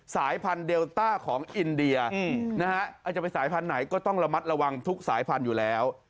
สายพันธุเดลต้าของอินเดียนะฮะอาจจะไปสายพันธุ์ไหนก็ต้องระมัดระวังทุกสายพันธุ์อยู่แล้ว